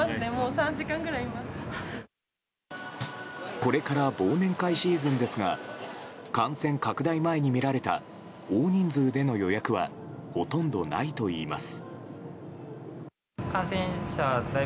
これから忘年会シーズンですが感染拡大前に見られた大人数での予約はほとんどないといいます。